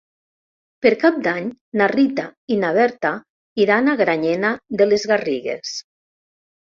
Per Cap d'Any na Rita i na Berta iran a Granyena de les Garrigues.